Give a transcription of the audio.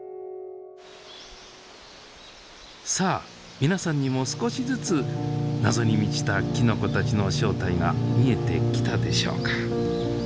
さあ皆さんにも少しずつ謎に満ちたきのこたちの正体が見えてきたでしょうか。